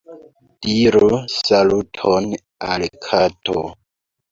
Diru saluton al kato.